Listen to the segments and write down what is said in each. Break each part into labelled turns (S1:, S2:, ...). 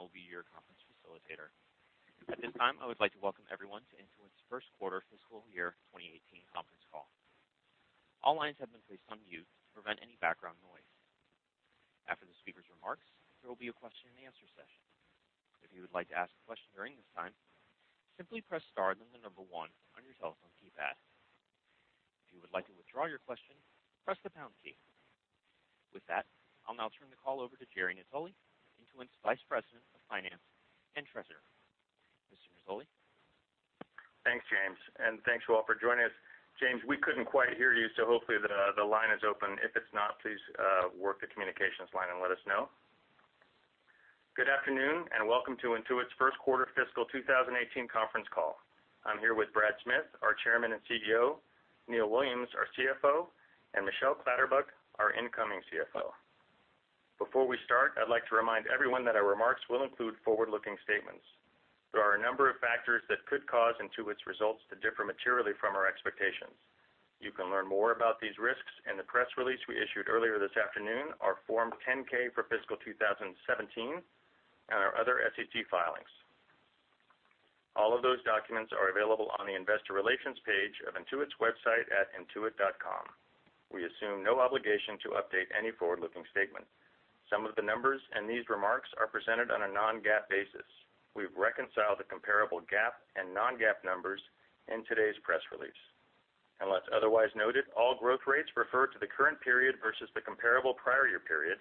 S1: Good afternoon. My name is James, and I will be your conference facilitator. At this time, I would like to welcome everyone to Intuit's first quarter fiscal year 2018 conference call. All lines have been placed on mute to prevent any background noise. After the speakers' remarks, there will be a question and answer session. If you would like to ask a question during this time, simply press star, then the number 1 on your telephone keypad. If you would like to withdraw your question, press the pound key. With that, I will now turn the call over to Jerry Natoli, Intuit's Vice President of Finance and Treasurer. Mr. Natoli?
S2: Thanks, James, and thanks all for joining us. James, we couldn't quite hear you, hopefully the line is open. If it's not, please work the communications line and let us know. Good afternoon, and welcome to Intuit's first quarter fiscal 2018 conference call. I am here with Brad Smith, our Chairman and CEO, Neil Williams, our CFO, and Michelle Clatterbuck, our incoming CFO. Before we start, I would like to remind everyone that our remarks will include forward-looking statements. There are a number of factors that could cause Intuit's results to differ materially from our expectations. You can learn more about these risks in the press release we issued earlier this afternoon, our Form 10-K for fiscal 2017, and our other SEC filings. All of those documents are available on the investor relations page of intuit.com. We assume no obligation to update any forward-looking statement. Some of the numbers in these remarks are presented on a non-GAAP basis. We have reconciled the comparable GAAP and non-GAAP numbers in today's press release. Unless otherwise noted, all growth rates refer to the current period versus the comparable prior year period,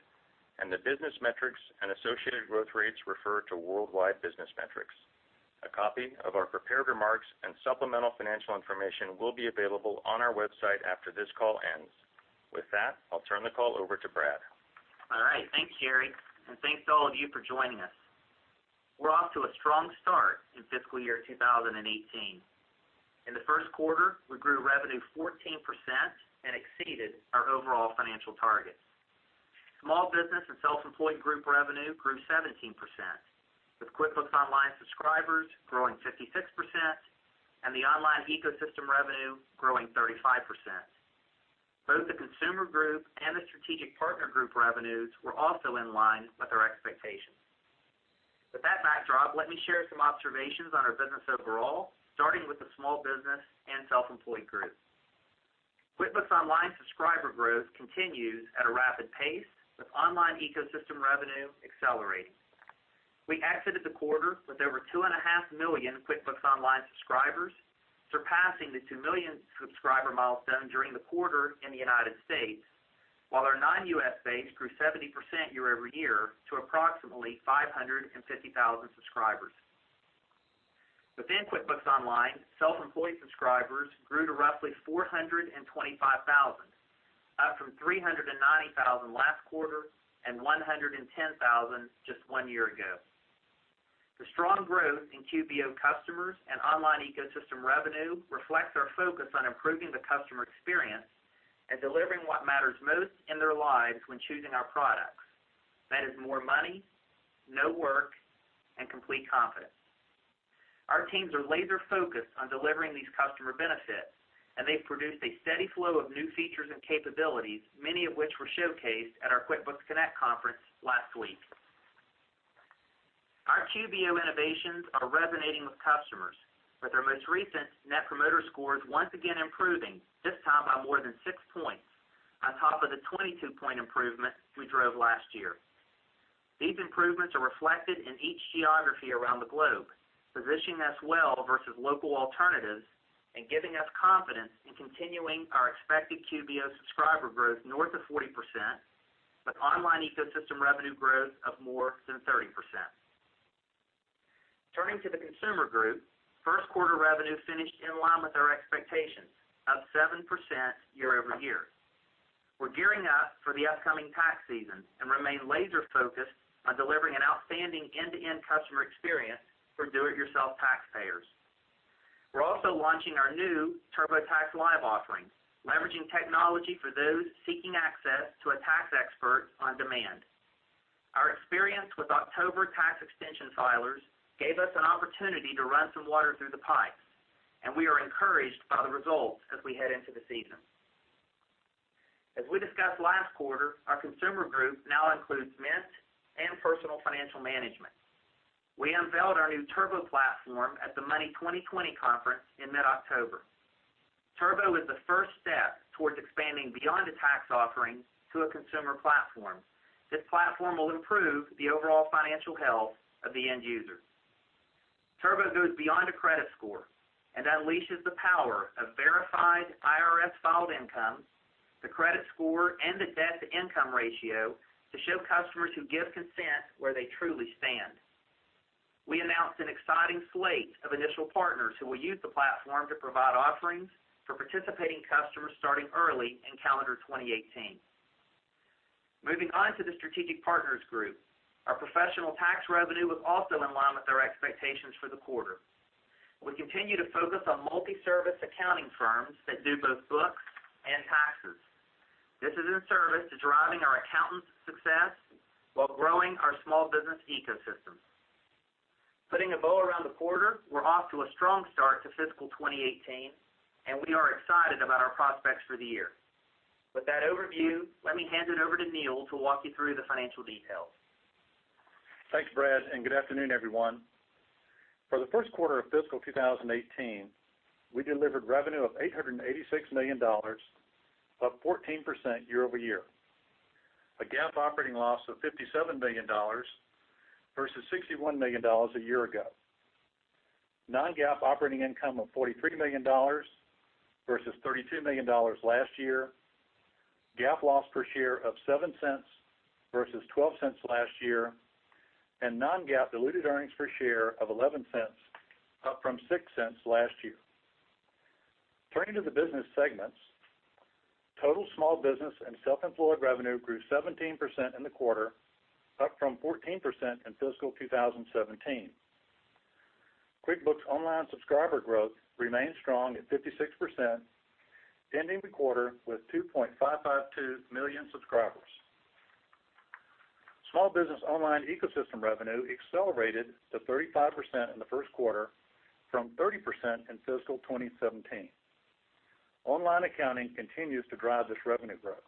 S2: and the business metrics and associated growth rates refer to worldwide business metrics. A copy of our prepared remarks and supplemental financial information will be available on our website after this call ends. With that, I will turn the call over to Brad.
S3: All right. Thanks, Jerry, and thanks to all of you for joining us. We are off to a strong start in fiscal year 2018. In the first quarter, we grew revenue 14% and exceeded our overall financial targets. Small Business and Self-Employed Group revenue grew 17%, with QuickBooks Online subscribers growing 56% and the online ecosystem revenue growing 35%. Both the Consumer Group and the Strategic Partner Group revenues were also in line with our expectations. With that backdrop, let me share some observations on our business overall, starting with the Small Business and Self-Employed Group. QuickBooks Online subscriber growth continues at a rapid pace, with online ecosystem revenue accelerating. We exited the quarter with over 2.5 million QuickBooks Online subscribers, surpassing the 2 million subscriber milestone during the quarter in the U.S., while our non-U.S. base grew 70% year-over-year to approximately 550,000 subscribers. Within QuickBooks Online, self-employed subscribers grew to roughly 425,000, up from 390,000 last quarter and 110,000 just one year ago. The strong growth in QBO customers and online ecosystem revenue reflects our focus on improving the customer experience and delivering what matters most in their lives when choosing our products. That is more money, no work, and complete confidence. Our teams are laser-focused on delivering these customer benefits, and they've produced a steady flow of new features and capabilities, many of which were showcased at our QuickBooks Connect conference last week. Our QBO innovations are resonating with customers, with our most recent Net Promoter Score once again improving, this time by more than 6 points, on top of the 22-point improvement we drove last year. These improvements are reflected in each geography around the globe, positioning us well versus local alternatives and giving us confidence in continuing our expected QBO subscriber growth north of 40%, with online ecosystem revenue growth of more than 30%. Turning to the consumer group, first quarter revenue finished in line with our expectations, up 7% year-over-year. We're gearing up for the upcoming tax season and remain laser-focused on delivering an outstanding end-to-end customer experience for do-it-yourself taxpayers. We're also launching our new TurboTax Live offering, leveraging technology for those seeking access to a tax expert on demand. Our experience with October tax extension filers gave us an opportunity to run some water through the pipes, and we are encouraged by the results as we head into the season. As we discussed last quarter, our consumer group now includes Mint and Personal Financial Management. We unveiled our new Turbo platform at the Money20/20 conference in mid-October. Turbo is the first step towards expanding beyond a tax offering to a consumer platform. This platform will improve the overall financial health of the end user. Turbo goes beyond a credit score and unleashes the power of verified IRS-filed income, the credit score, and the debt-to-income ratio to show customers who give consent where they truly stand. We announced an exciting slate of initial partners who will use the platform to provide offerings for participating customers starting early in calendar 2018. Moving on to the strategic partners group. Our professional tax revenue was also in line with our expectations for the quarter. We continue to focus on multi-service accounting firms that do both books and taxes. This is in service to driving our accountants' success while growing our small business ecosystem. Putting a bow around the quarter, we're off to a strong start to fiscal 2018, and we are excited about our prospects for the year. With that overview, let me hand it over to Neil to walk you through the financial details.
S4: Thanks, Brad, and good afternoon, everyone. For the first quarter of fiscal 2018, we delivered revenue of $886 million, up 14% year-over-year. A GAAP operating loss of $57 million versus $61 million a year ago. Non-GAAP operating income of $43 million versus $32 million last year. GAAP loss per share of $0.07 versus $0.12 last year, and non-GAAP diluted earnings per share of $0.11, up from $0.06 last year. Turning to the business segments, total Small Business and Self-Employed revenue grew 17% in the quarter, up from 14% in fiscal 2017. QuickBooks Online subscriber growth remained strong at 56%, ending the quarter with 2.552 million subscribers. Small Business Online Ecosystem revenue accelerated to 35% in the first quarter from 30% in fiscal 2017. Online accounting continues to drive this revenue growth.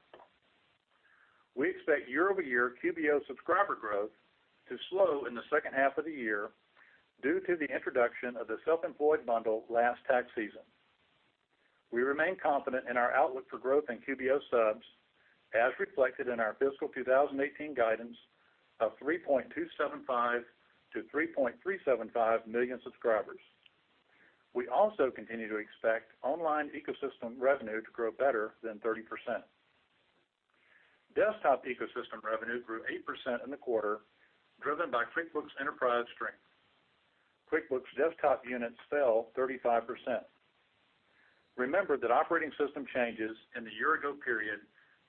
S4: We expect year-over-year QBO subscriber growth to slow in the second half of the year due to the introduction of the Self-Employed bundle last tax season. We remain confident in our outlook for growth in QBO subs, as reflected in our fiscal 2018 guidance of 3.275 million-3.375 million subscribers. We also continue to expect Online Ecosystem revenue to grow better than 30%. Desktop Ecosystem revenue grew 8% in the quarter, driven by QuickBooks Enterprise strength. QuickBooks Desktop units fell 35%. Remember that operating system changes in the year-ago period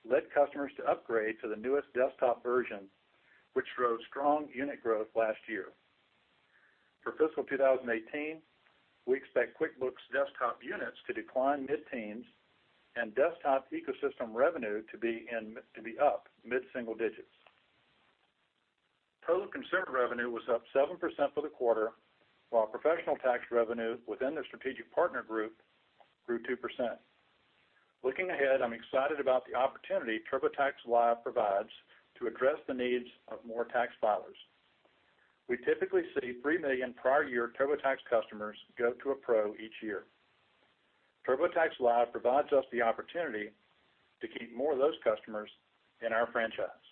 S4: led customers to upgrade to the newest Desktop version, which drove strong unit growth last year. For fiscal 2018, we expect QuickBooks Desktop units to decline mid-teens and Desktop Ecosystem revenue to be up mid-single digits. Total Consumer revenue was up 7% for the quarter, while Professional Tax revenue within the Strategic Partner group grew 2%. Looking ahead, I'm excited about the opportunity TurboTax Live provides to address the needs of more tax filers. We typically see 3 million prior year TurboTax customers go to a pro each year. TurboTax Live provides us the opportunity to keep more of those customers in our franchise.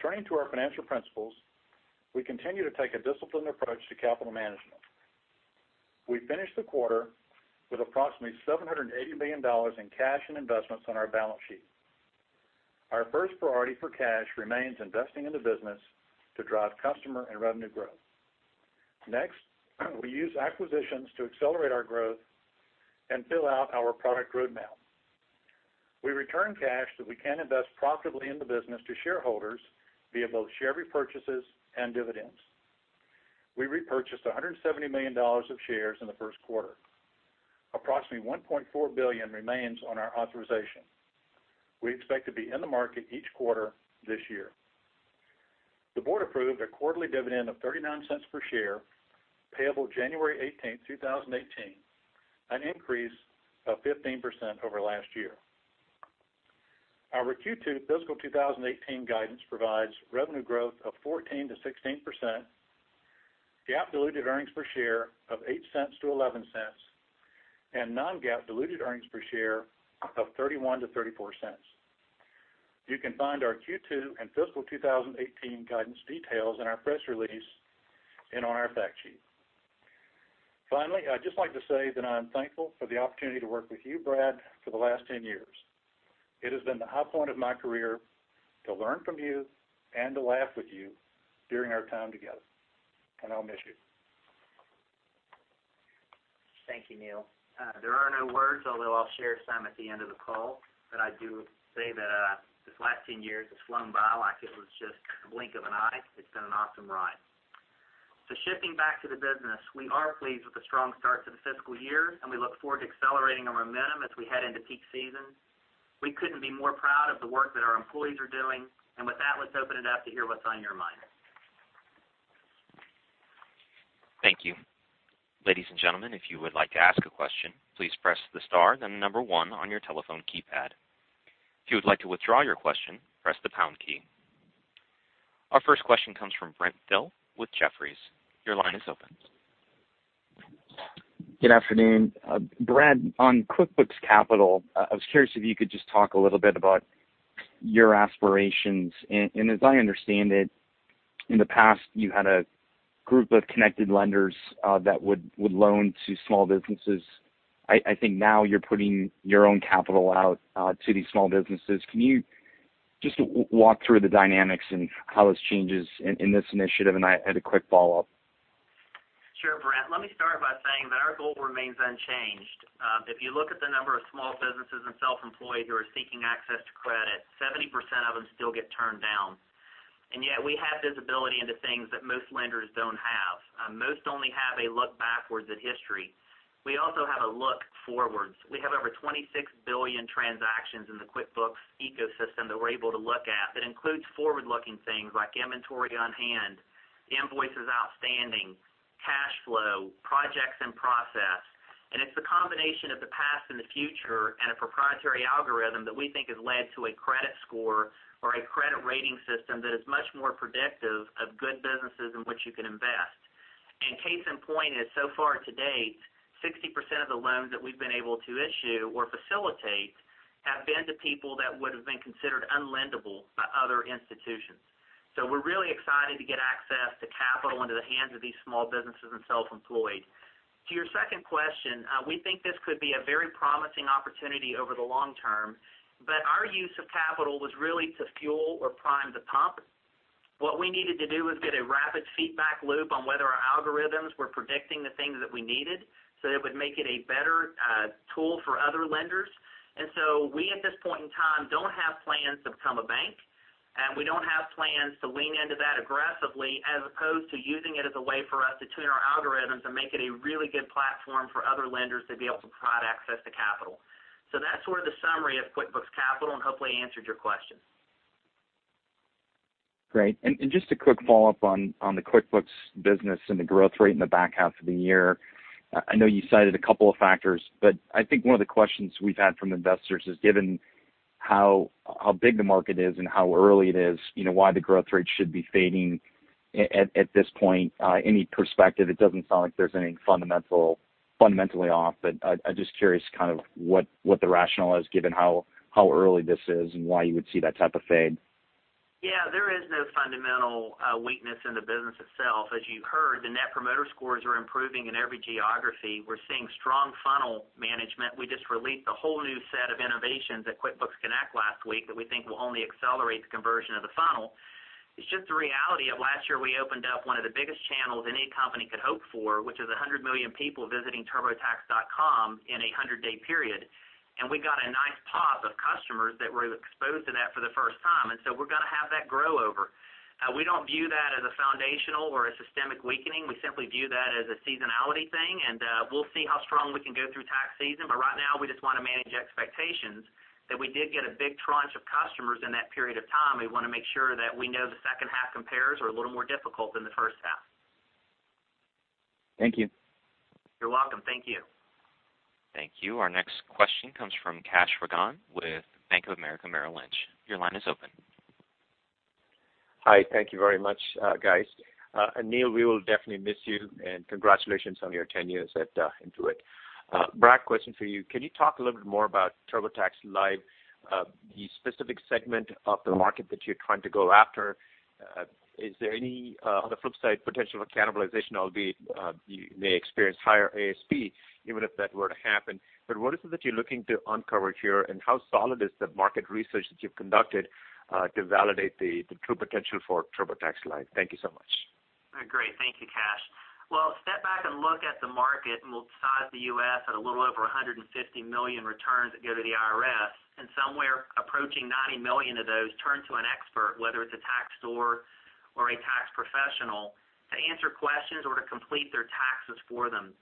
S4: Turning to our financial principles, we continue to take a disciplined approach to capital management. We finished the quarter with approximately $780 million in cash and investments on our balance sheet. Our first priority for cash remains investing in the business to drive customer and revenue growth. Next, we use acquisitions to accelerate our growth and fill out our product roadmap. We return cash that we can invest profitably in the business to shareholders via both share repurchases and dividends. We repurchased $170 million of shares in the first quarter. Approximately $1.4 billion remains on our authorization. We expect to be in the market each quarter this year. The board approved a quarterly dividend of $0.39 per share, payable January 18, 2018, an increase of 15% over last year. Our Q2 fiscal 2018 guidance provides revenue growth of 14%-16%, GAAP diluted earnings per share of $0.08-$0.11, and non-GAAP diluted earnings per share of $0.31-$0.34. You can find our Q2 and fiscal 2018 guidance details in our press release and on our fact sheet. Finally, I'd just like to say that I'm thankful for the opportunity to work with you, Brad, for the last 10 years. It has been the high point of my career to learn from you and to laugh with you during our time together, and I'll miss you.
S3: Thank you, Neil. There are no words, although I'll share some at the end of the call, but I do say that this last 10 years has flown by like it was just a blink of an eye. It's been an awesome ride. Shifting back to the business, we are pleased with the strong start to the fiscal year, and we look forward to accelerating our momentum as we head into peak season. We couldn't be more proud of the work that our employees are doing. With that, let's open it up to hear what's on your mind.
S1: Thank you. Ladies and gentlemen, if you would like to ask a question, please press the star then the number one on your telephone keypad. If you would like to withdraw your question, press the pound key. Our first question comes from Brent Thill with Jefferies. Your line is open.
S5: Good afternoon. Brad, on QuickBooks Capital, I was curious if you could just talk a little bit about your aspirations. As I understand it, in the past, you had a group of connected lenders that would loan to small businesses. I think now you're putting your own capital out to these small businesses. Can you just walk through the dynamics and how this changes in this initiative? I had a quick follow-up.
S3: Sure, Brent. Let me start by saying that our goal remains unchanged. If you look at the number of small businesses and self-employed who are seeking access to credit, 70% of them still get turned down. Yet we have visibility into things that most lenders don't have. Most only have a look backwards at history. We also have a look forwards. We have over 26 billion transactions in the QuickBooks ecosystem that we're able to look at. That includes forward-looking things like inventory on-hand, invoices outstanding, cash flow, projects in process, it's the combination of the past and the future and a proprietary algorithm that we think has led to a credit score or a credit rating system that is much more predictive of good businesses in which you can invest. Case in point is, so far to date, 60% of the loans that we've been able to issue or facilitate have been to people that would've been considered unlendable by other institutions. We're really excited to get access to capital into the hands of these small businesses and self-employed. To your second question, we think this could be a very promising opportunity over the long term, but our use of capital was really to fuel or prime the pump. What we needed to do was get a rapid feedback loop on whether our algorithms were predicting the things that we needed so that it would make it a better tool for other lenders. We, at this point in time, don't have plans to become a bank, and we don't have plans to lean into that aggressively as opposed to using it as a way for us to tune our algorithms and make it a really good platform for other lenders to be able to provide access to capital. That's sort of the summary of QuickBooks Capital, and hopefully I answered your question.
S5: Great. Just a quick follow-up on the QuickBooks business and the growth rate in the back half of the year. I know you cited a couple of factors, but I think one of the questions we've had from investors is, given how big the market is and how early it is, why the growth rate should be fading at this point, any perspective? It doesn't sound like there's anything fundamentally off, but I'm just curious what the rationale is, given how early this is and why you would see that type of fade.
S3: There is no fundamental weakness in the business itself. As you heard, the Net Promoter Score are improving in every geography. We're seeing strong funnel management. We just released a whole new set of innovations at QuickBooks Connect last week that we think will only accelerate the conversion of the funnel. It's just the reality of last year, we opened up one of the biggest channels any company could hope for, which is 100 million people visiting turbotax.com in a 100-day period, and so we're going to have that grow over. We don't view that as a foundational or a systemic weakening. We simply view that as a seasonality thing, and we'll see how strong we can go through tax season. Right now, we just want to manage expectations that we did get a big tranche of customers in that period of time, and we want to make sure that we know the second half compares are a little more difficult than the first half.
S5: Thank you.
S3: You're welcome. Thank you.
S1: Thank you. Our next question comes from Kash Rangan with Bank of America Merrill Lynch. Your line is open.
S6: Hi. Thank you very much, guys. Neil, we will definitely miss you, and congratulations on your 10 years at Intuit. Brad, question for you. Can you talk a little bit more about TurboTax Live, the specific segment of the market that you're trying to go after? Is there any, on the flip side, potential for cannibalization, albeit you may experience higher ASP even if that were to happen, but what is it that you're looking to uncover here, and how solid is the market research that you've conducted to validate the true potential for TurboTax Live? Thank you so much.
S3: Great. Thank you, Kash. Step back and look at the market, we'll size the U.S. at a little over 150 million returns that go to the IRS, somewhere approaching 90 million of those turn to an expert, whether it's a tax lawyer or a tax professional, to answer questions or to complete their taxes for them.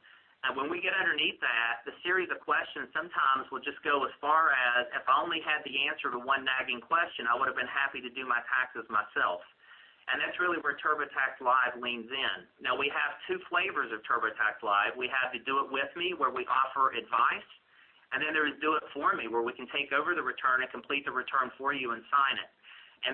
S3: When we get underneath that, the series of questions sometimes will just go as far as, "If only had the answer to one nagging question, I would've been happy to do my taxes myself." That's really where TurboTax Live leans in. We have two flavors of TurboTax Live. We have the Do It With Me where we offer advice, then there's Do It For Me, where we can take over the return and complete the return for you and sign it.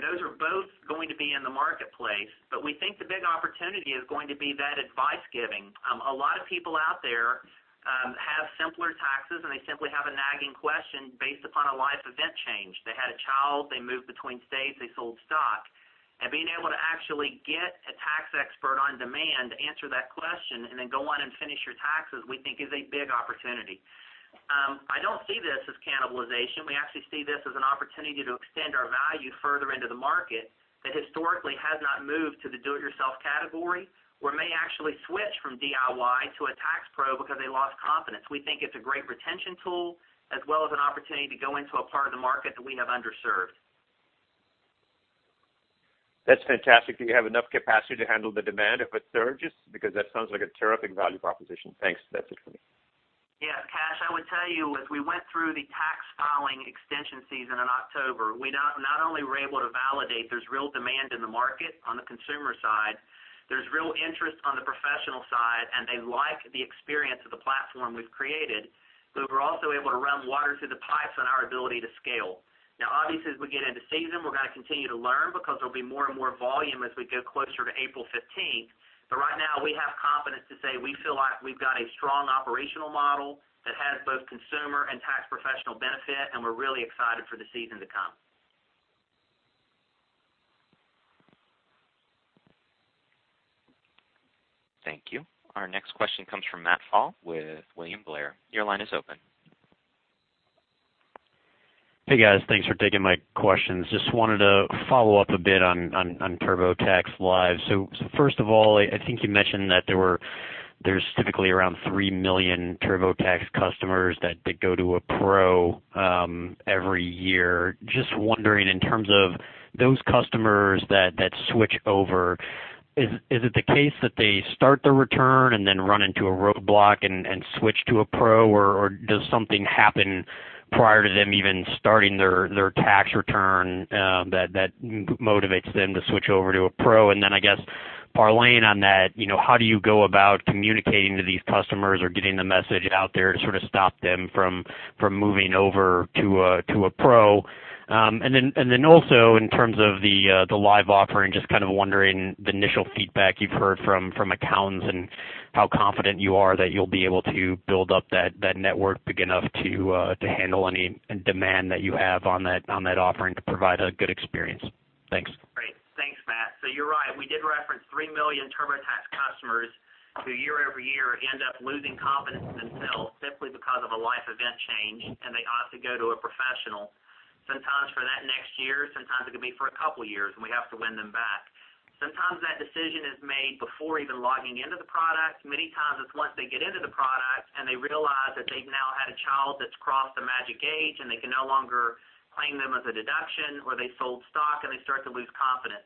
S3: Those are both going to be in the marketplace, we think the big opportunity is going to be that advice giving. A lot of people out there have simpler taxes, they simply have a nagging question based upon a life event change. They had a child, they moved between states, they sold stock. Being able to actually get a tax expert on demand to answer that question and then go on and finish your taxes, we think is a big opportunity. I don't see this as cannibalization. We actually see this as an opportunity to extend our value further into the market that historically has not moved to the do it yourself category or may actually switch from DIY to a tax pro because they lost confidence. We think it's a great retention tool as well as an opportunity to go into a part of the market that we have underserved.
S6: That's fantastic. Do you have enough capacity to handle the demand if it surges? Because that sounds like a terrific value proposition. Thanks. That's it for me.
S3: Yeah, Kash, I would tell you, as we went through the tax filing extension season in October, we not only were able to validate there's real demand in the market on the consumer side, there's real interest on the professional side, and they like the experience of the platform we've created, we're also able to run water through the pipes on our ability to scale. Obviously, as we get into season, we're going to continue to learn because there'll be more and more volume as we go closer to April 15th. Right now, we have confidence to say we feel like we've got a strong operational model that has both consumer and tax professional benefit, and we're really excited for the season to come.
S1: Thank you. Our next question comes from Matt Pfau with William Blair. Your line is open.
S7: Hey, guys. Thanks for taking my questions. Just wanted to follow up a bit on TurboTax Live. First of all, I think you mentioned that There's typically around three million TurboTax customers that go to a pro every year. Just wondering, in terms of those customers that switch over, is it the case that they start the return and then run into a roadblock and switch to a pro, or does something happen prior to them even starting their tax return that motivates them to switch over to a pro? Then, I guess parlaying on that, how do you go about communicating to these customers or getting the message out there to sort of stop them from moving over to a pro? Also in terms of the Live offering, just kind of wondering the initial feedback you've heard from accountants and how confident you are that you'll be able to build up that network big enough to handle any demand that you have on that offering to provide a good experience. Thanks.
S3: Great. Thanks, Matt. You're right, we did reference 3 million TurboTax customers who year-over-year end up losing confidence in themselves simply because of a life event change, and they opt to go to a professional. Sometimes for that next year, sometimes it could be for a couple of years, and we have to win them back. Sometimes that decision is made before even logging into the product. Many times, it's once they get into the product and they realize that they've now had a child that's crossed a magic age, and they can no longer claim them as a deduction, or they sold stock and they start to lose confidence.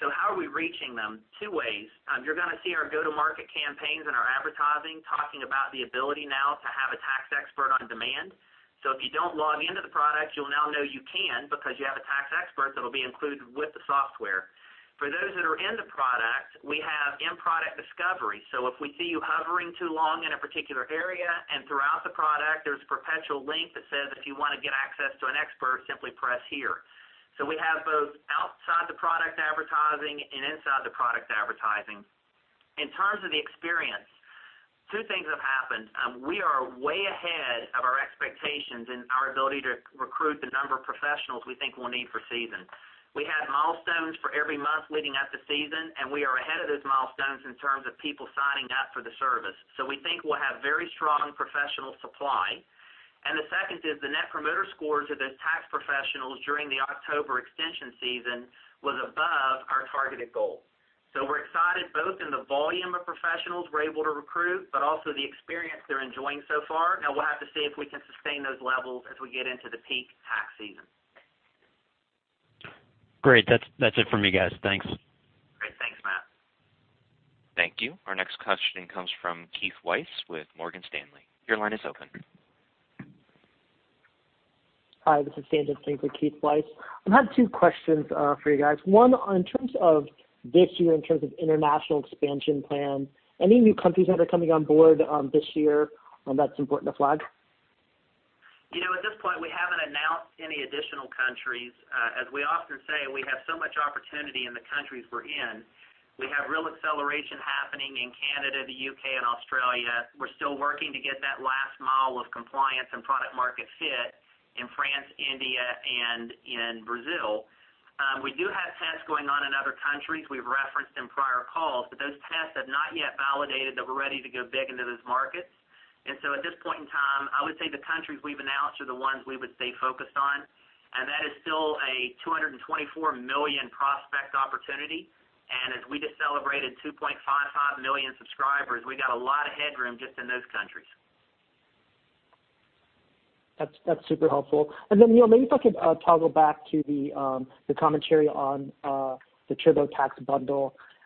S3: How are we reaching them? 2 ways. You're going to see our go-to-market campaigns and our advertising talking about the ability now to have a tax expert on demand. If you don't log into the product, you'll now know you can because you have a tax expert that'll be included with the software. For those that are in the product, we have in-product discovery, if we see you hovering too long in a particular area and throughout the product, there's a perpetual link that says, "If you want to get access to an expert, simply press here." We have both outside-the-product advertising and inside-the-product advertising. In terms of the experience, 2 things have happened. We are way ahead of our expectations in our ability to recruit the number of professionals we think we'll need for season. We had milestones for every month leading up to season, and we are ahead of those milestones in terms of people signing up for the service. We think we'll have very strong professional supply. The second is the Net Promoter Score of those tax professionals during the October extension season was above our targeted goals. We're excited both in the volume of professionals we're able to recruit, but also the experience they're enjoying so far. Now, we'll have to see if we can sustain those levels as we get into the peak tax season.
S7: Great. That's it from me, guys. Thanks.
S3: Great. Thanks, Matt.
S1: Thank you. Our next question comes from Keith Weiss with Morgan Stanley. Your line is open.
S8: Hi, this is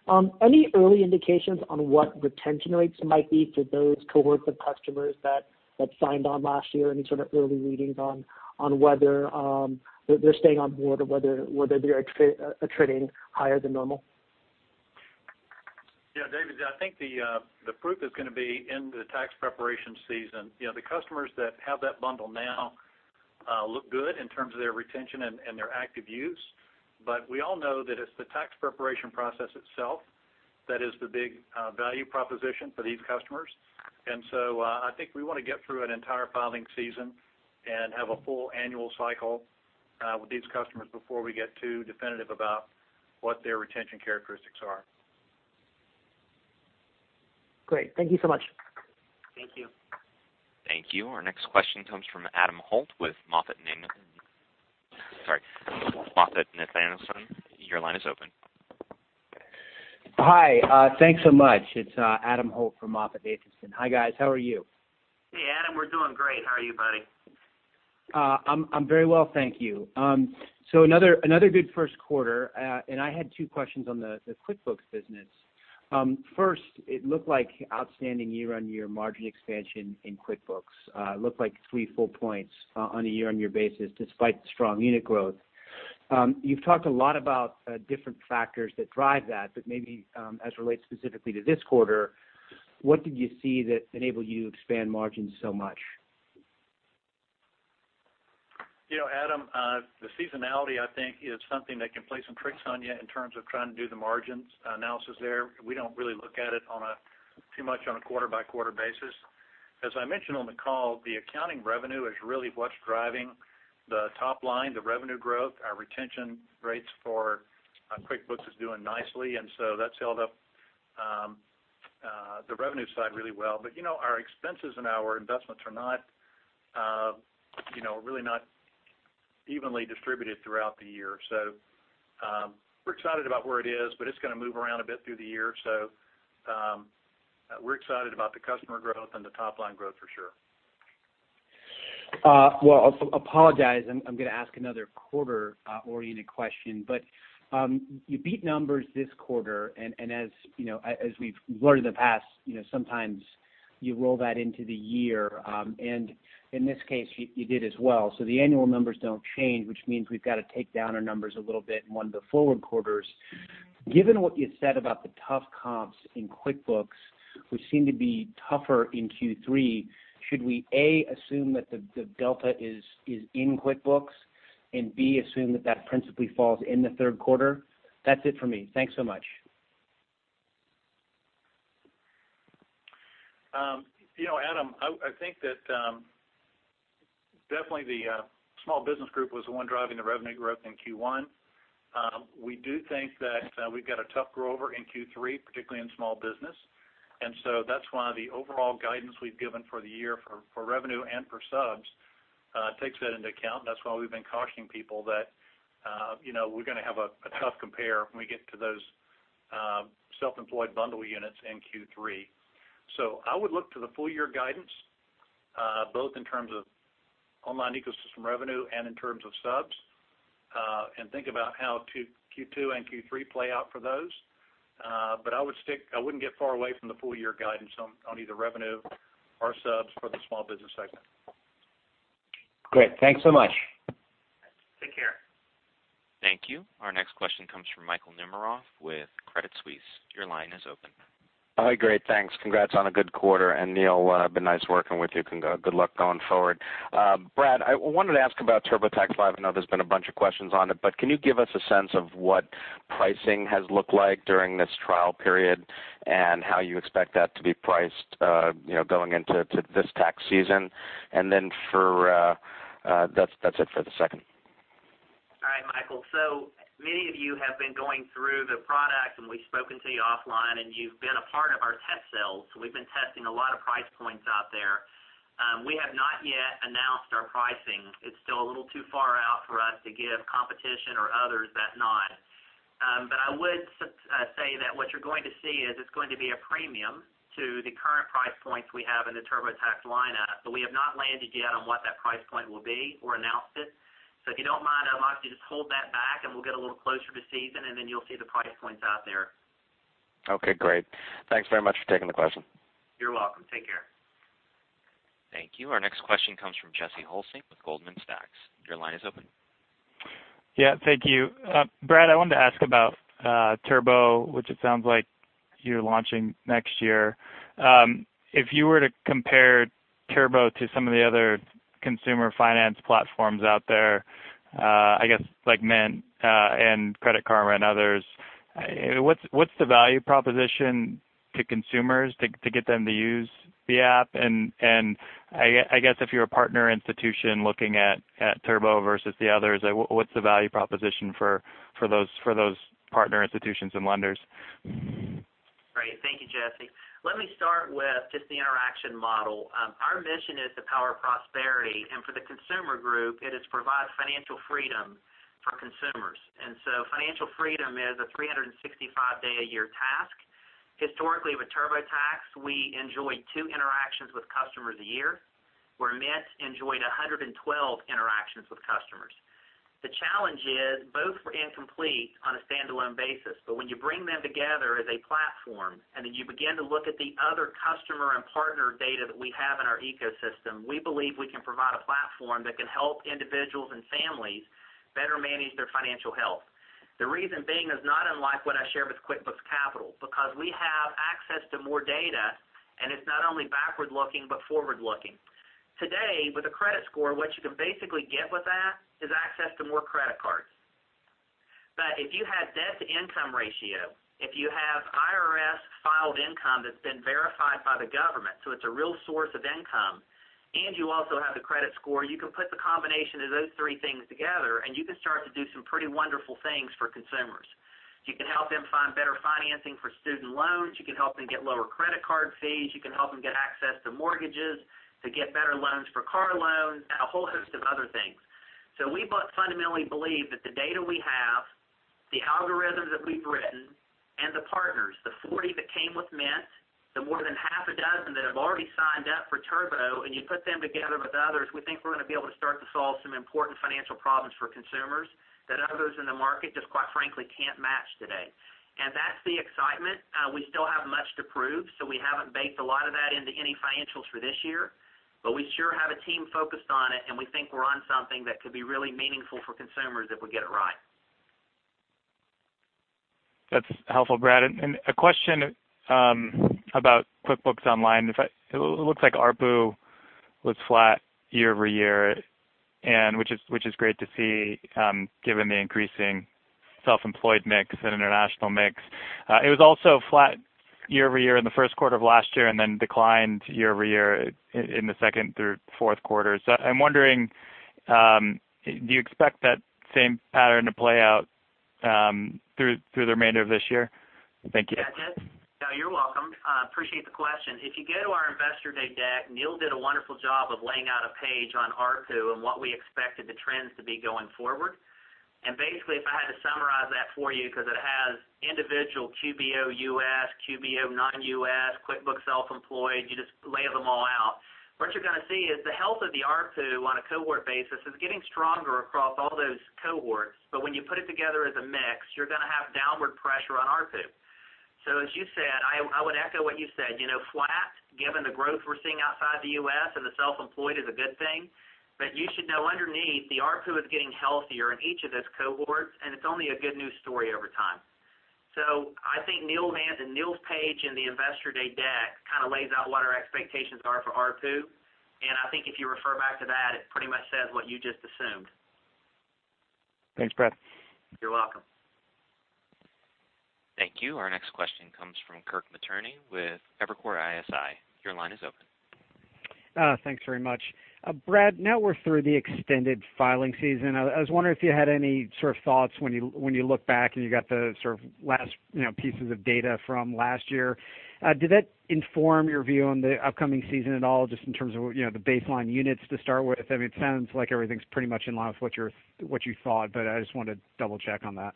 S8: David.
S3: Thank you.
S1: Thank you. Our next question comes from Adam Holt with MoffettNathanson. Your line is open.
S9: Hi. Thanks so much. It's Adam Holt from MoffettNathanson. Hi, guys. How are you?
S3: Hey, Adam. We're doing great. How are you, buddy?
S9: I'm very well, thank you. Another good first quarter. I had two questions on the QuickBooks business. First, it looked like outstanding year-on-year margin expansion in QuickBooks. It looked like three full points on a year-on-year basis despite the strong unit growth. You've talked a lot about different factors that drive that, but maybe as it relates specifically to this quarter, what did you see that enabled you to expand margins so much?
S4: Adam, I think that definitely the small business group was the one driving the revenue growth in Q1. We do think that we've got a tough grow over in Q3, particularly in small business. That's why the overall guidance we've given for the year for revenue and for subs takes that into account. That's why we've been cautioning people that we're going to have a tough compare when we get to those self-employed bundle units in Q3. I would look to the full year guidance, both in terms of online ecosystem revenue and in terms of subs, and think about how Q2 and Q3 play out for those. I wouldn't get far away from the full year guidance on either revenue or subs for the small business segment. evenly distributed throughout the year. We're excited about where it is, but it's going to move around a bit through the year. We're excited about the customer growth and the top-line growth for sure.
S9: Well, I apologize, I'm going to ask another quarter-oriented question. You beat numbers this quarter, and as we've learned in the past, sometimes you roll that into the year, and in this case you did as well. The annual numbers don't change, which means we've got to take down our numbers a little bit in one of the forward quarters. Given what you said about the tough comps in QuickBooks, which seem to be tougher in Q3, should we, A, assume that the delta is in QuickBooks, and B, assume that that principally falls in the third quarter? That's it for me. Thanks so much.
S4: Adam, I think that definitely the small business group was the one driving the revenue growth in Q1. We do think that we've got a tough grow over in Q3, particularly in small business. That's why the overall guidance we've given for the year for revenue and for subs takes that into account. That's why we've been cautioning people that we're going to have a tough compare when we get to those self-employed bundle units in Q3. I would look to the full year guidance, both in terms of online ecosystem revenue and in terms of subs, and think about how Q2 and Q3 play out for those. I wouldn't get far away from the full year guidance on either revenue or subs for the small business segment.
S9: Great. Thanks so much.
S4: Take care.
S1: Thank you. Our next question comes from Michael Nemeroff with Credit Suisse. Your line is open.
S10: Great, thanks. Congrats on a good quarter. Neil, been nice working with you. Good luck going forward. Brad, I wanted to ask about TurboTax Live. I know there's been a bunch of questions on it, but can you give us a sense of what pricing has looked like during this trial period, and how you expect that to be priced going into this tax season? That's it for the second.
S3: All right, Michael. Many of you have been going through the product, and we've spoken to you offline, and you've been a part of our test sales. We've been testing a lot of price points out there. We have not yet announced our pricing. It's still a little too far out for us to give competition or others that nod. I would say that what you're going to see is it's going to be a premium to the current price points we have in the TurboTax lineup, but we have not landed yet on what that price point will be or announced it. If you don't mind, I'd like you to just hold that back, and we'll get a little closer to season, and then you'll see the price points out there.
S10: Okay, great. Thanks very much for taking the question.
S3: You're welcome. Take care.
S1: Thank you. Our next question comes from Jesse Hulsing with Goldman Sachs. Your line is open.
S11: Yeah, thank you. Brad, I wanted to ask about Turbo, which it sounds like you're launching next year. If you were to compare Turbo to some of the other consumer finance platforms out there, I guess like Mint and Credit Karma and others, what's the value proposition to consumers to get them to use the app? I guess if you're a partner institution looking at Turbo versus the others, what's the value proposition for those partner institutions and lenders?
S3: Great. Thank you, Jesse. Let me start with just the interaction model. Our mission is to power prosperity, and for the consumer group, it is provide financial freedom for consumers. Financial freedom is a 365-day-a-year task. Historically, with TurboTax, we enjoyed two interactions with customers a year, where Mint enjoyed 112 interactions with customers. The challenge is both were incomplete on a standalone basis, but when you bring them together as a platform, you begin to look at the other customer and partner data that we have in our ecosystem, we believe we can provide a platform that can help individuals and families better manage their financial health. The reason being is not unlike what I shared with QuickBooks Capital, because we have access to more data, and it's not only backward-looking, but forward-looking. Today, with a credit score, what you can basically get with that is access to more credit cards. If you have debt-to-income ratio, if you have IRS-filed income that's been verified by the government, so it's a real source of income, and you also have the credit score, you can put the combination of those three things together, you can start to do some pretty wonderful things for consumers. You can help them find better financing for student loans, you can help them get lower credit card fees, you can help them get access to mortgages, to get better loans for car loans, a whole host of other things. We fundamentally believe that the data we have, the algorithms that we've written, and the partners, the 40 that came with Mint, the more than half a dozen that have already signed up for Turbo, you put them together with others, we think we're going to be able to start to solve some important financial problems for consumers that others in the market just quite frankly can't match today. That's the excitement. We still have much to prove, so we haven't baked a lot of that into any financials for this year, but we sure have a team focused on it, we think we're on something that could be really meaningful for consumers if we get it right.
S11: That's helpful, Brad. A question about QuickBooks Online. It looks like ARPU was flat year-over-year, which is great to see given the increasing self-employed mix and international mix. It was also flat year-over-year in the first quarter of last year and then declined year-over-year in the second through fourth quarters. I'm wondering, do you expect that same pattern to play out through the remainder of this year? Thank you.
S3: Yeah, Tim. You're welcome. Appreciate the question. If you go to our Investor Day deck, Neil did a wonderful job of laying out a page on ARPU and what we expected the trends to be going forward. Basically, if I had to summarize that for you, because it has individual QBO U.S., QBO non-U.S., QuickBooks Self-Employed, you just lay them all out. What you're going to see is the health of the ARPU on a cohort basis is getting stronger across all those cohorts. When you put it together as a mix, you're going to have downward pressure on ARPU. As you said, I would echo what you said, flat given the growth we're seeing outside the U.S. and the self-employed is a good thing. You should know underneath, the ARPU is getting healthier in each of those cohorts, and it's only a good news story over time. I think Neil's page in the Investor Day deck kind of lays out what our expectations are for ARPU, and I think if you refer back to that, it pretty much says what you just assumed.
S11: Thanks, Brad.
S3: You're welcome.
S1: Thank you. Our next question comes from Kirk Materne with Evercore ISI. Your line is open.
S12: Thanks very much. Brad, now we're through the extended filing season. I was wondering if you had any sort of thoughts when you look back and you got the sort of last pieces of data from last year. Did that inform your view on the upcoming season at all, just in terms of the baseline units to start with? It sounds like everything's pretty much in line with what you thought, but I just wanted to double-check on that.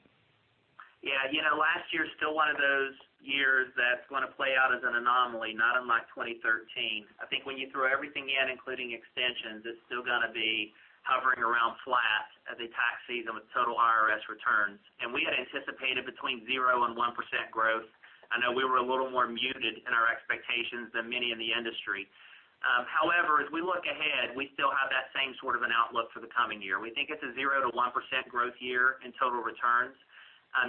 S3: Yeah. Last year is still one of those years that's going to play out as an anomaly, not unlike 2013. I think when you throw everything in, including extensions, it's still going to be hovering around flat as a tax season with total IRS returns. We had anticipated between 0% and 1% growth. I know we were a little more muted in our expectations than many in the industry. However, as we look ahead, we still have that same sort of an outlook for the coming year. We think it's a 0%-1% growth year in total returns.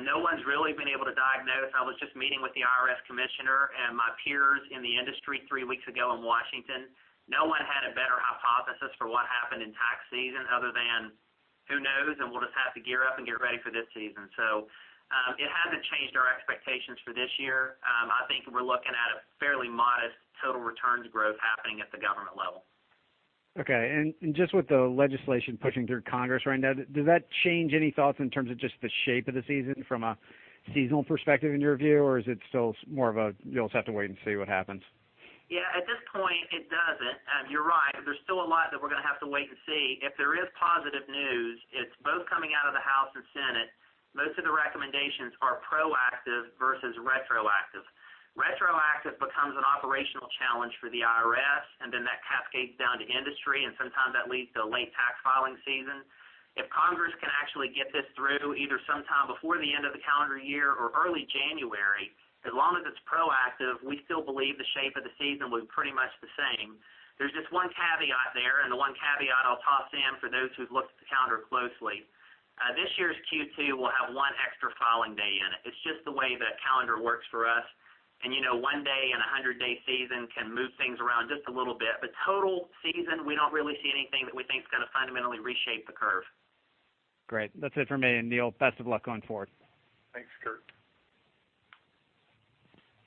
S3: No one's really been able to diagnose. I was just meeting with the IRS commissioner and my peers in the industry three weeks ago in Washington. No one had a better hypothesis for what happened in tax season other than who knows, and we'll just have to gear up and get ready for this season. It hasn't changed our expectations for this year. I think we're looking at a fairly modest total returns growth happening at the government level.
S12: Okay, just with the legislation pushing through Congress right now, does that change any thoughts in terms of just the shape of the season from a seasonal perspective in your view, or is it still more of a you'll just have to wait and see what happens?
S3: Yeah, at this point, it doesn't. You're right. There's still a lot that we're going to have to wait to see. If there is positive news, it's both coming out of the House and Senate. Most of the recommendations are proactive versus retroactive. Retroactive becomes an operational challenge for the IRS, and then that cascades down to industry, and sometimes that leads to a late tax filing season. If Congress can actually get this through, either sometime before the end of the calendar year or early January, as long as it's proactive, we still believe the shape of the season will be pretty much the same. There's just one caveat there, and the one caveat I'll toss in for those who've looked at the calendar closely. This year's Q2 will have one extra filing day in it. It's just the way the calendar works for us. One day in 100-day season can move things around just a little bit. Total season, we don't really see anything that we think is going to fundamentally reshape the curve.
S12: Great. That's it for me. Neil, best of luck going forward.
S3: Thanks, Kirk.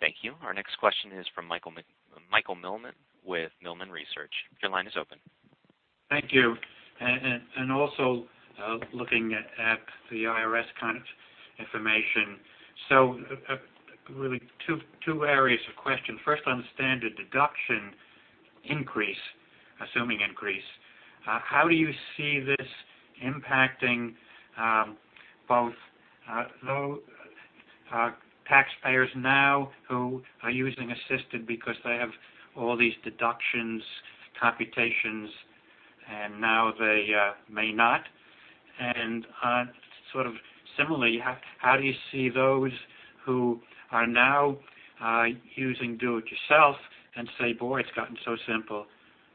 S1: Thank you. Our next question is from Michael Millman with Millman Research. Your line is open.
S13: Thank you. Also looking at the IRS kind of information. Really two areas of question. First, on the standard deduction increase, assuming increase, how do you see this impacting both taxpayers now who are using assisted because they have all these deductions computations, and now they may not? And sort of similarly, how do you see those who are now using Do It Yourself and say, "Boy, it's gotten so simple.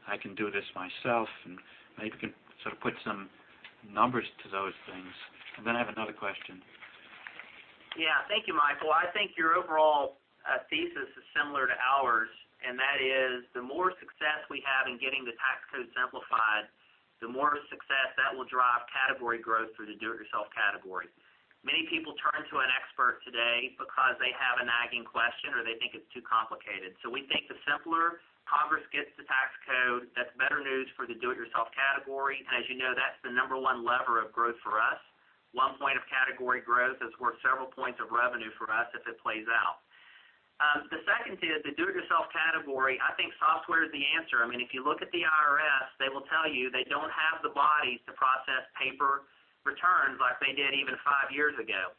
S13: I can do this myself," and maybe can sort of put some numbers to those things? Then I have another question.
S3: Yeah. Thank you, Michael. I think your overall thesis is similar to ours. That is the more success we have in getting the tax code simplified, the more success that will drive category growth through the do it yourself category. Many people turn to an expert today because they have a nagging question or they think it's too complicated. We think the simpler Congress gets the tax code, that's better news for the do it yourself category. As you know, that's the number one lever of growth for us. One point of category growth is worth several points of revenue for us if it plays out. The second is the do it yourself category, I think software is the answer. If you look at the IRS, they will tell you they don't have the bodies to process paper returns like they did even five years ago.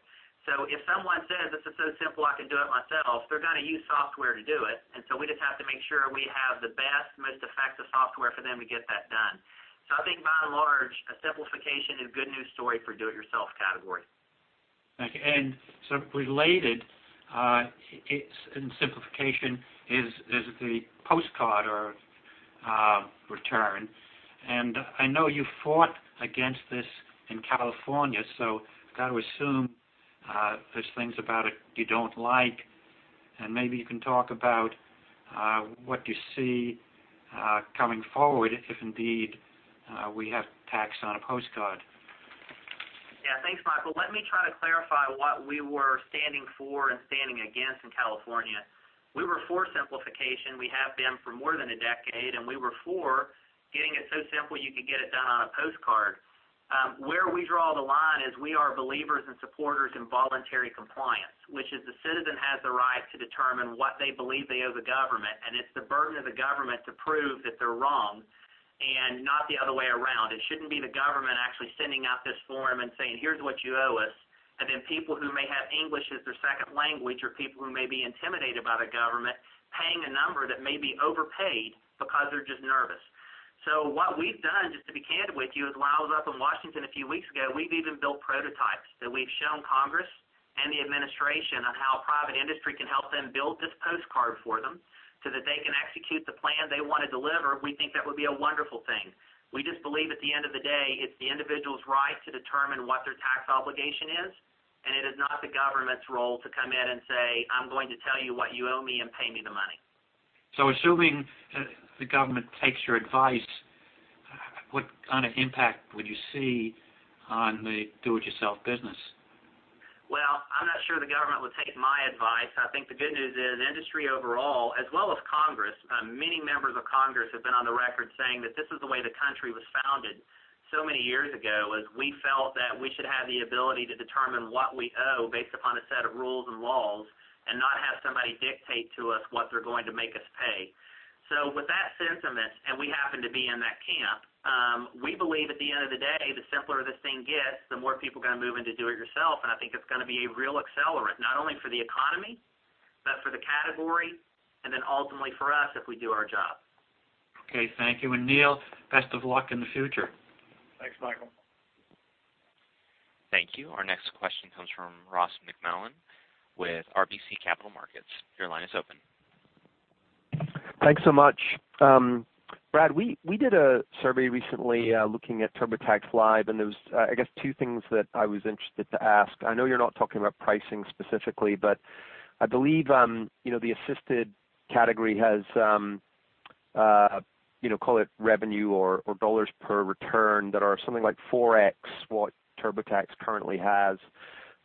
S3: If someone says, "This is so simple, I can do it myself," they're going to use software to do it. We just have to make sure we have the best, most effective software for them to get that done. I think by and large, a simplification is a good news story for do it yourself category.
S13: Okay. Sort of related, it's in simplification is the postcard or return. I know you fought against this in California, got to assume there's things about it you don't like, and maybe you can talk about what you see coming forward if indeed we have tax on a postcard.
S3: Yeah. Thanks, Michael. Let me try to clarify what we were standing for and standing against in California. We were for simplification. We have been for more than a decade. We were for getting it so simple you could get it done on a postcard. Where we draw the line is we are believers and supporters in voluntary compliance, which is the citizen has the right to determine what they believe they owe the government. It's the burden of the government to prove that they're wrong and not the other way around. It shouldn't be the government actually sending out this form and saying, "Here's what you owe us," then people who may have English as their second language, or people who may be intimidated by the government, paying a number that may be overpaid because they're just nervous. What we've done, just to be candid with you, is when I was up in Washington a few weeks ago, we've even built prototypes that we've shown Congress and the Administration on how private industry can help them build this postcard for them so that they can execute the plan they want to deliver. We think that would be a wonderful thing. We just believe at the end of the day, it's the individual's right to determine what their tax obligation is, and it is not the government's role to come in and say, "I'm going to tell you what you owe me and pay me the money.
S13: Assuming the government takes your advice, what kind of impact would you see on the do-it-yourself business?
S3: Well, I'm not sure the government would take my advice. I think the good news is industry overall, as well as Congress, many members of Congress have been on the record saying that this is the way the country was founded so many years ago, is we felt that we should have the ability to determine what we owe based upon a set of rules and laws, and not have somebody dictate to us what they're going to make us pay. With that sentiment, and we happen to be in that camp, we believe at the end of the day, the simpler this thing gets, the more people are going to move into do-it-yourself, and I think it's going to be a real accelerant, not only for the economy, but for the category, and then ultimately for us if we do our job.
S13: Okay. Thank you. Neil, best of luck in the future.
S4: Thanks, Michael.
S1: Thank you. Our next question comes from Ross MacMillan with RBC Capital Markets. Your line is open.
S14: Thanks so much. Brad, we did a survey recently looking at TurboTax Live, there was, I guess, two things that I was interested to ask. I know you're not talking about pricing specifically, but I believe the assisted category has, call it revenue or dollars per return that are something like 4x what TurboTax currently has.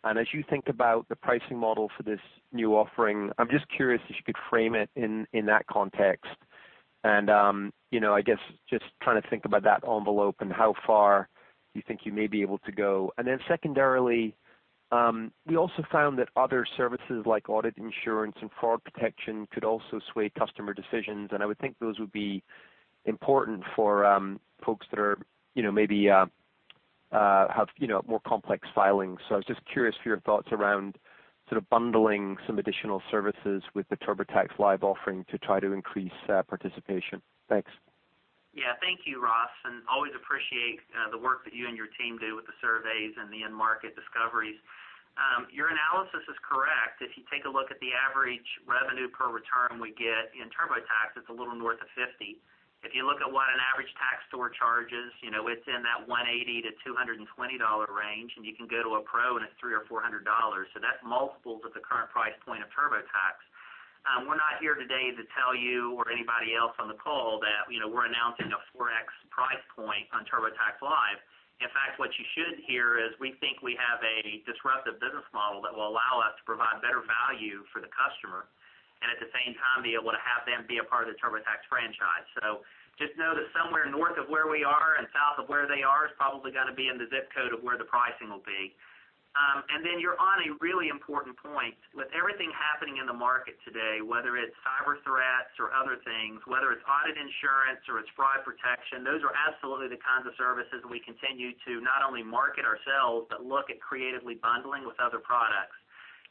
S14: As you think about the pricing model for this new offering, I'm just curious if you could frame it in that context, I guess just trying to think about that envelope and how far you think you may be able to go. Then secondarily, we also found that other services like audit insurance and fraud protection could also sway customer decisions, and I would think those would be important for folks that maybe have more complex filings. I was just curious for your thoughts around sort of bundling some additional services with the TurboTax Live offering to try to increase participation. Thanks.
S3: Yeah. Thank you, Ross, and always appreciate the work that you and your team do with the surveys and the end market discoveries. Your analysis is correct. If you take a look at the average revenue per return we get in TurboTax, it's a little north of $50. If you look at what an average tax store charges, it's in that $180-$220 range, and you can go to a pro and it's $300 or $400. That's multiples of the current price point of TurboTax. We're not here today to tell you or anybody else on the call that we're announcing a 4x price point on TurboTax Live. In fact, what you should hear is we think we have a disruptive business model that will allow us to provide better value for the customer, and at the same time, be able to have them be a part of the TurboTax franchise. Just know that somewhere north of where we are and south of where they are is probably going to be in the ZIP code of where the pricing will be. You're on a really important point. With everything happening in the market today, whether it's cyber threats or other things, whether it's audit insurance or it's fraud protection, those are absolutely the kinds of services we continue to not only market ourselves, but look at creatively bundling with other products.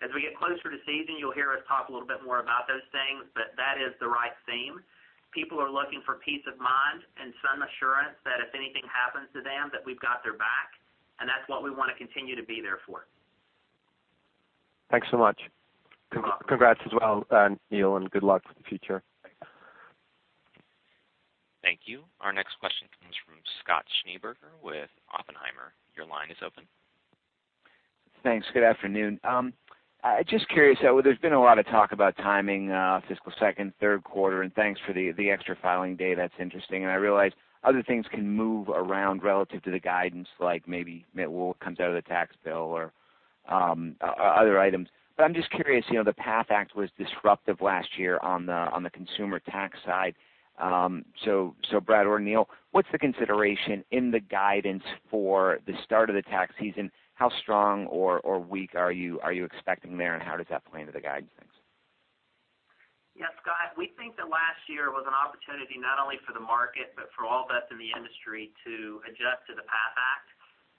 S3: As we get closer to season, you'll hear us talk a little bit more about those things, that is the right theme. People are looking for peace of mind and some assurance that if anything happens to them, that we've got their back, and that's what we want to continue to be there for.
S14: Thanks so much.
S3: You're welcome.
S14: Congrats as well, Neil, good luck for the future.
S3: Thanks.
S1: Thank you. Our next question comes from Scott Schneeberger with Oppenheimer. Your line is open.
S15: Thanks. Good afternoon. Just curious, there's been a lot of talk about timing fiscal second, third quarter, and thanks for the extra filing day. That's interesting. I realize other things can move around relative to the guidance, like maybe what comes out of the tax bill or other items. I'm just curious, the PATH Act was disruptive last year on the consumer tax side. Brad or Neil, what's the consideration in the guidance for the start of the tax season? How strong or weak are you expecting there, and how does that play into the guidance?
S3: Yeah, Scott, we think that last year was an opportunity not only for the market, but for all of us in the industry to adjust to the PATH Act.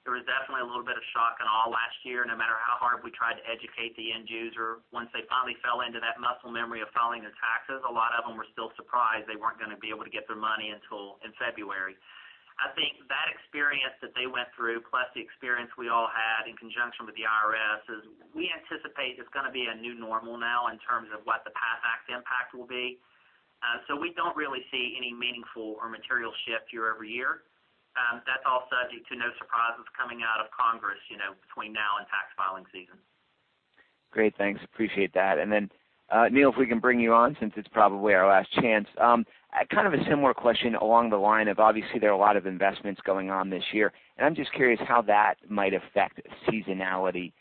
S3: There was definitely a little bit of shock and awe last year, no matter how hard we tried to educate the end user. Once they finally fell into that muscle memory of filing their taxes, a lot of them were still surprised they weren't going to be able to get their money until in February. I think that experience that they went through, plus the experience we all had in conjunction with the IRS is we anticipate it's going to be a new normal now in terms of what the PATH Act impact will be. We don't really see any meaningful or material shift year-over-year. That's all subject to no surprises coming out of Congress between now and tax filing season.
S15: Great. Thanks. Appreciate that. Neil, if we can bring you on since it's probably our last chance. Kind of a similar question along the line of, obviously, there are a lot of investments going on this year, and I'm just curious how that might affect seasonality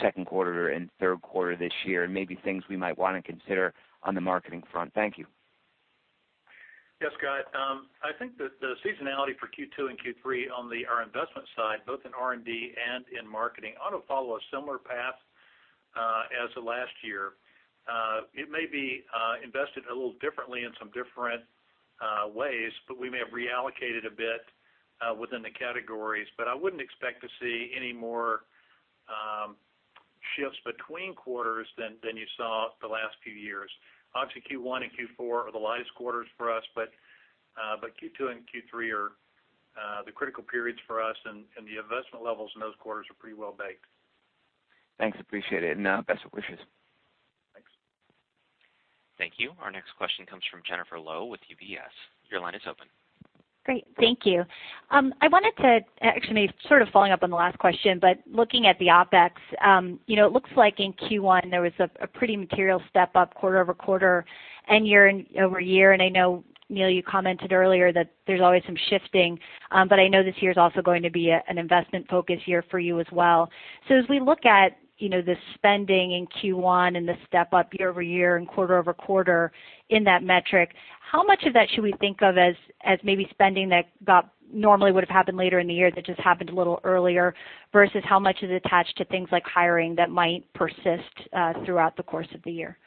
S15: second quarter and third quarter this year, and maybe things we might want to consider on the marketing front. Thank you.
S4: Yes, Scott. I think that the seasonality for Q2 and Q3 on our investment side, both in R&D and in marketing, ought to follow a similar path as of last year. It may be invested a little differently in some different ways, but we may have reallocated a bit within the categories. I wouldn't expect to see any more shifts between quarters than you saw the last few years. Obviously, Q1 and Q4 are the lightest quarters for us, but Q2 and Q3 are the critical periods for us, and the investment levels in those quarters are pretty well baked.
S15: Thanks, appreciate it, and best wishes.
S4: Thanks.
S1: Thank you. Our next question comes from Jennifer Lowe with UBS. Your line is open.
S16: Great. Thank you. I wanted to actually maybe sort of following up on the last question, but looking at the OpEx, it looks like in Q1 there was a pretty material step-up quarter-over-quarter and year-over-year, and I know, Neil, you commented earlier that there's always some shifting. I know this year is also going to be an investment focus year for you as well. As we look at the spending in Q1 and the step-up year-over-year and quarter-over-quarter in that metric, how much of that should we think of as maybe spending that normally would've happened later in the year that just happened a little earlier, versus how much is attached to things like hiring that might persist throughout the course of the year?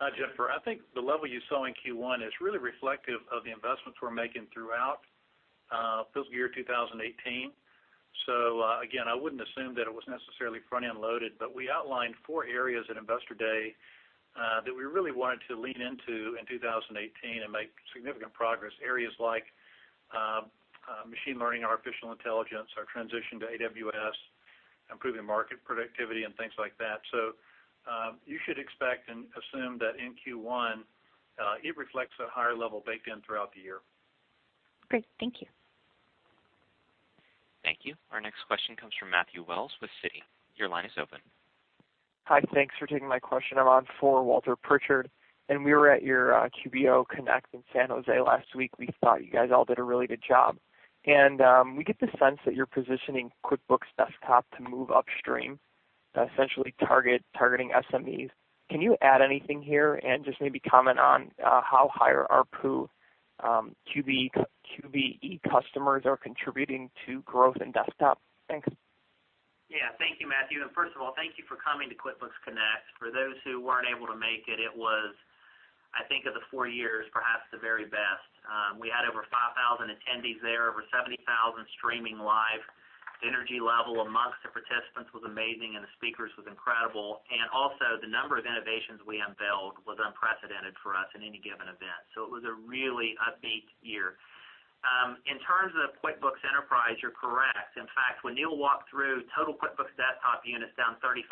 S4: Hi, Jennifer. I think the level you saw in Q1 is really reflective of the investments we're making throughout fiscal year 2018. Again, I wouldn't assume that it was necessarily front-end loaded, but we outlined four areas at Investor Day, that we really wanted to lean into in 2018 and make significant progress. Areas like machine learning, artificial intelligence, our transition to AWS, improving market productivity, and things like that. You should expect and assume that in Q1, it reflects a higher level baked in throughout the year.
S16: Great. Thank you.
S1: Thank you. Our next question comes from Matthew Wells with Citi. Your line is open.
S17: Hi. Thanks for taking my question. I'm on for Walter Pritchard. We were at your QuickBooks Connect in San Jose last week. We thought you guys all did a really good job. We get the sense that you're positioning QuickBooks Desktop to move upstream, essentially targeting SMEs. Can you add anything here and just maybe comment on how higher ARPU QBE customers are contributing to growth in Desktop? Thanks.
S3: Yeah. Thank you, Matthew. First of all, thank you for coming to QuickBooks Connect. For those who weren't able to make it was, I think of the four years, perhaps the very best. We had over 5,000 attendees there, over 70,000 streaming live. The energy level amongst the participants was amazing. The speakers was incredible. Also, the number of innovations we unveiled was unprecedented for us in any given event, so it was a really upbeat year. In terms of QuickBooks Enterprise, you're correct. In fact, when Neil walked through total QuickBooks Desktop units down 35%,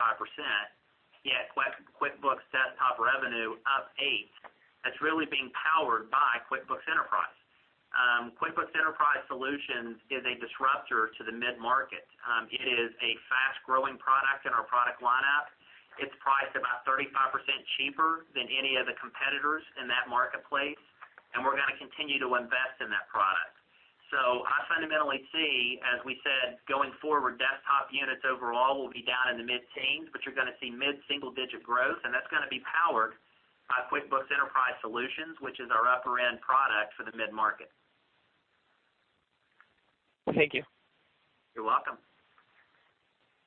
S3: yet QuickBooks Desktop revenue up 8%, that's really being powered by QuickBooks Enterprise. QuickBooks Enterprise Solutions is a disruptor to the mid-market. It is a fast-growing product in our product lineup. It's priced about 35% cheaper than any of the competitors in that marketplace. We're going to continue to invest in that product. I fundamentally see, as we said, going forward, Desktop units overall will be down in the mid-teens, but you're going to see mid-single-digit growth, and that's going to be powered by QuickBooks Enterprise Solutions, which is our upper-end product for the mid-market.
S17: Thank you.
S3: You're welcome.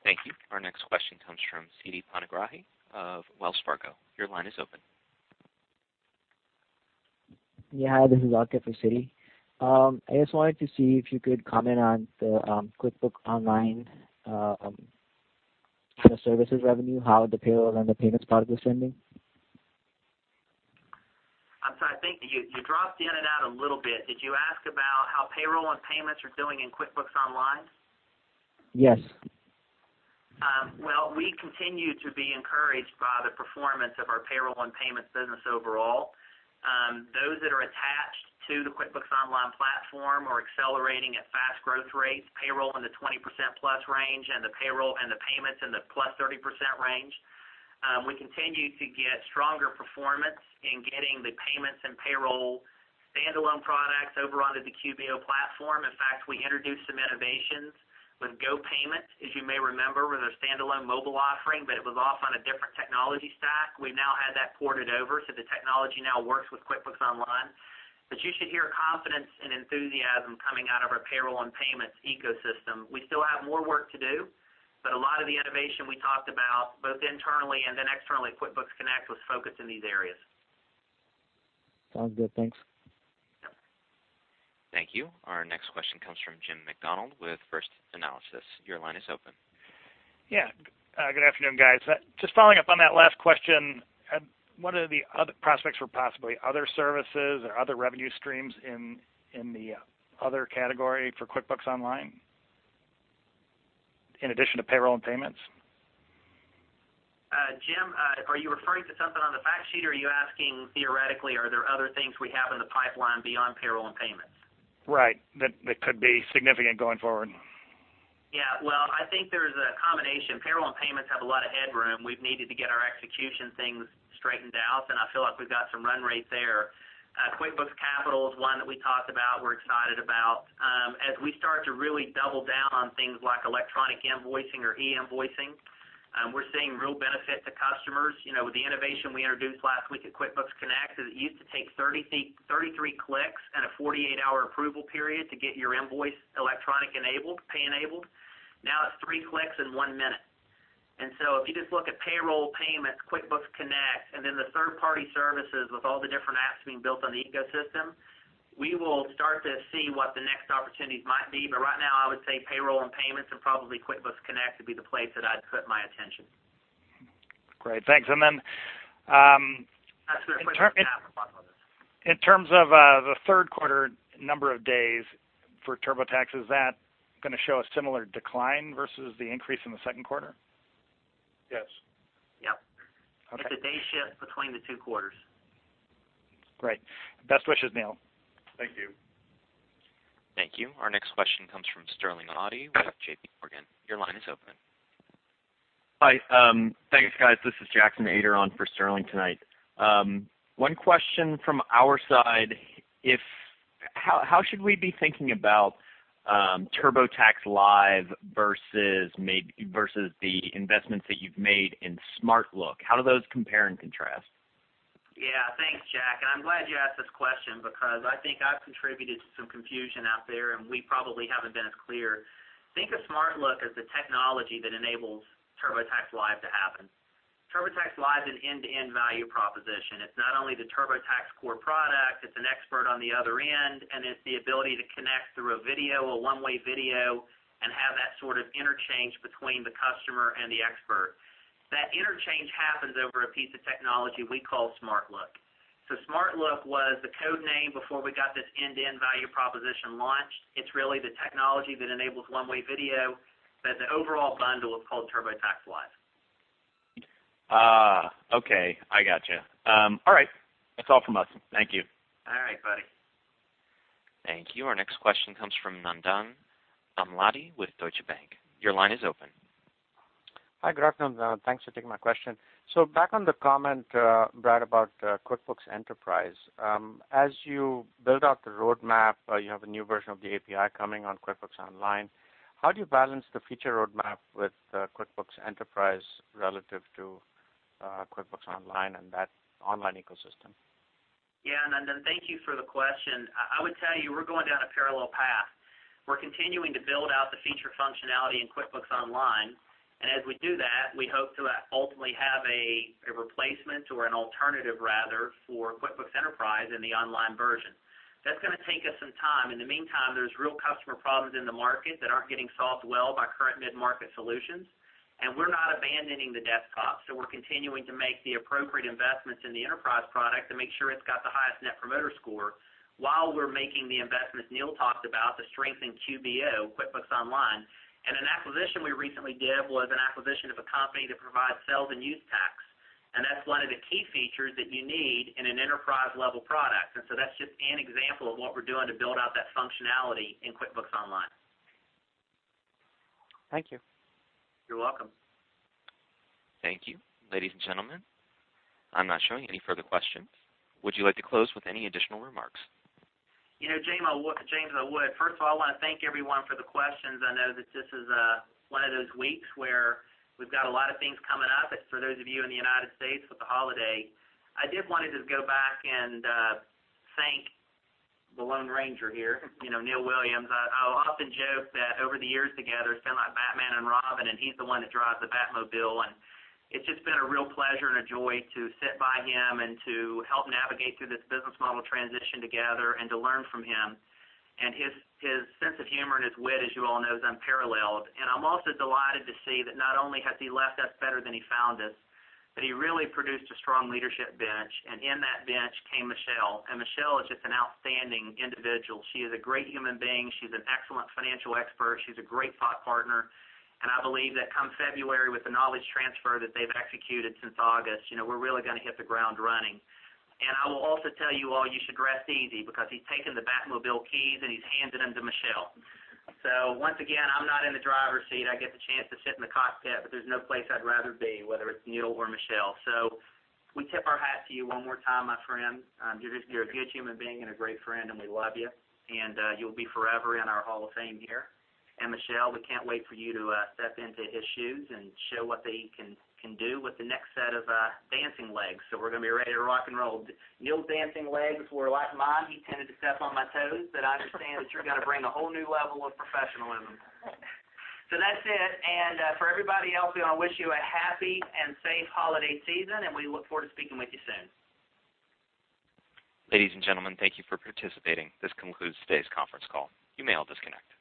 S1: Thank you. Our next question comes from Siti Panigrahi of Wells Fargo. Your line is open.
S18: Yeah. Hi, this is Asif with Siti. I just wanted to see if you could comment on the QuickBooks Online services revenue, how the payroll and the payments part is trending.
S3: I'm sorry. I think you dropped in and out a little bit. Did you ask about how payroll and payments are doing in QuickBooks Online?
S18: Yes.
S3: Well, we continue to be encouraged by the performance of our payroll and payments business overall. Those that are attached to the QuickBooks Online platform are accelerating at fast growth rates, payroll in the 20%-plus range, and the payroll and the payments in the plus 30% range. We continue to get stronger performance in getting the payments and payroll standalone products over onto the QBO platform. In fact, we introduced some innovations with GoPayment, as you may remember, was a standalone mobile offering, but it was off on a different technology stack. We've now had that ported over, so the technology now works with QuickBooks Online. You should hear confidence and enthusiasm coming out of our payroll and payments ecosystem. We still have more work to do, but a lot of the innovation we talked about, both internally and then externally at QuickBooks Connect, was focused in these areas.
S18: Sounds good. Thanks.
S1: Thank you. Our next question comes from Jim Macdonald with First Analysis. Your line is open.
S19: Yeah. Good afternoon, guys. Just following up on that last question, what are the prospects for possibly other services or other revenue streams in the other category for QuickBooks Online in addition to payroll and payments?
S3: Jim, are you referring to something on the fact sheet, or are you asking theoretically, are there other things we have in the pipeline beyond payroll and payments?
S19: Right. That could be significant going forward.
S3: Yeah. Well, I think there's a combination. Payroll and payments have a lot of headroom. We've needed to get our execution things straightened out, and I feel like we've got some run rate there. QuickBooks Capital is one that we talked about, we're excited about. As we start to really double down on things like electronic invoicing or e-invoicing. We're seeing real benefit to customers. With the innovation we introduced last week at QuickBooks Connect, is it used to take 33 clicks and a 48-hour approval period to get your invoice electronic enabled, pay enabled. Now it's three clicks in one minute. If you just look at payroll payments, QuickBooks Connect, and then the third-party services with all the different apps being built on the ecosystem, we will start to see what the next opportunities might be. Right now, I would say payroll and payments, and probably QuickBooks Connect would be the place that I'd put my attention.
S19: Great. Thanks.
S3: That's for QuickBooks Connect.
S19: In terms of the third quarter number of days for TurboTax, is that going to show a similar decline versus the increase in the second quarter?
S4: Yes.
S3: Yep.
S19: Okay.
S3: It's a day shift between the two quarters.
S19: Great. Best wishes, Neil.
S4: Thank you.
S1: Thank you. Our next question comes from Sterling Auty with JPMorgan. Your line is open.
S20: Hi. Thanks, guys. This is Jackson Ader on for Sterling tonight. One question from our side, how should we be thinking about TurboTax Live versus the investments that you've made in SmartLook? How do those compare and contrast?
S3: Yeah. Thanks, Jack, I'm glad you asked this question because I think I've contributed to some confusion out there, we probably haven't been as clear. Think of SmartLook as the technology that enables TurboTax Live to happen. TurboTax Live is an end-to-end value proposition. It's not only the TurboTax core product, it's an expert on the other end, and it's the ability to connect through a video, a one-way video, and have that sort of interchange between the customer and the expert. That interchange happens over a piece of technology we call SmartLook. SmartLook was the code name before we got this end-to-end value proposition launched. It's really the technology that enables one-way video, but the overall bundle is called TurboTax Live.
S20: Okay. I gotcha. All right. That's all from us. Thank you.
S3: All right, buddy.
S1: Thank you. Our next question comes from Nandan Amladi with Deutsche Bank. Your line is open.
S21: Hi, Brad. Nandan. Thanks for taking my question. Back on the comment, Brad, about QuickBooks Enterprise. As you build out the roadmap, you have a new version of the API coming on QuickBooks Online. How do you balance the future roadmap with QuickBooks Enterprise relative to QuickBooks Online and that online ecosystem?
S3: Yeah. Nandan, thank you for the question. I would tell you we're going down a parallel path. We're continuing to build out the feature functionality in QuickBooks Online. As we do that, we hope to ultimately have a replacement or an alternative rather for QuickBooks Enterprise in the online version. That's going to take us some time. In the meantime, there's real customer problems in the market that aren't getting solved well by current mid-market solutions. We're not abandoning the desktop, so we're continuing to make the appropriate investments in the Enterprise product to make sure it's got the highest Net Promoter Score while we're making the investments Neil talked about to strengthen QBO, QuickBooks Online. An acquisition we recently did was an acquisition of a company that provides sales and use tax, and that's one of the key features that you need in an Enterprise-level product. That's just an example of what we're doing to build out that functionality in QuickBooks Online.
S21: Thank you.
S3: You're welcome.
S1: Thank you. Ladies and gentlemen, I'm not showing any further questions. Would you like to close with any additional remarks?
S3: James, I would. First of all, I want to thank everyone for the questions. I know that this is one of those weeks where we've got a lot of things coming up for those of you in the United States with the holiday. I did want to just go back and thank the Lone Ranger here, Neil Williams. I'll often joke that over the years together, it's been like Batman and Robin, and he's the one that drives the Batmobile. It's just been a real pleasure and a joy to sit by him and to help navigate through this business model transition together and to learn from him. His sense of humor and his wit, as you all know, is unparalleled. I'm also delighted to see that not only has he left us better than he found us, but he really produced a strong leadership bench, and in that bench came Michelle. Michelle is just an outstanding individual. She is a great human being. She's an excellent financial expert. She's a great thought partner. I believe that come February, with the knowledge transfer that they've executed since August, we're really going to hit the ground running. I will also tell you all, you should rest easy because he's taken the Batmobile keys, and he's handed them to Michelle. Once again, I'm not in the driver's seat. I get the chance to sit in the cockpit, but there's no place I'd rather be, whether it's Neil or Michelle. We tip our hat to you one more time, my friend. You're a good human being and a great friend, and we love you, and you'll be forever in our hall of fame here. Michelle, we can't wait for you to step into his shoes and show what they can do with the next set of dancing legs. We're going to be ready to rock and roll. Neil's dancing legs were like mine. He tended to step on my toes, but I understand that you're going to bring a whole new level of professionalism. That's it. For everybody else, we want to wish you a happy and safe holiday season, and we look forward to speaking with you soon.
S1: Ladies and gentlemen, thank you for participating. This concludes today's conference call. You may all disconnect.